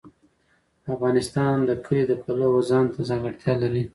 افغانستان د کلي د پلوه ځانته ځانګړتیا لري.